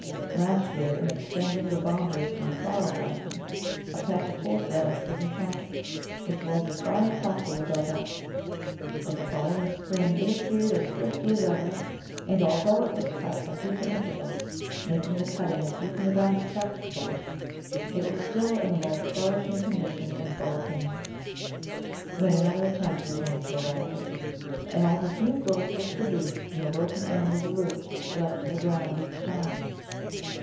Last year, in extending the boundaries of my flower garden, [ 221 ] THE VEGETABLE GARDEN a patch of horse radish was encountered which was, as far as possible, dug up ; but the following spring it appeared as thrifty as ever, and although it w^as cut at frequent intervals — making the cutting as deep in the ground as practicable — it was still in a most flourishing condition when fall came, when another attempt was made to eradicate it, and all this new growth was produced from the broken ends of the roots left in the ground each time.